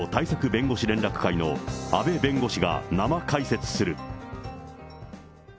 弁護士連絡会の阿部弁護士が生解説する。